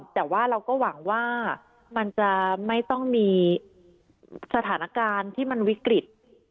แต่ว่าเราก็หวังว่ามันจะไม่ต้องมีสถานการณ์ที่มันวิกฤต